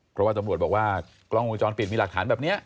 เพราะว่าตำรวจบอกว่ากล้องวงจรปิดมีหลักฐานแบบนี้